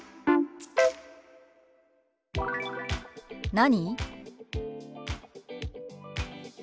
「何？」。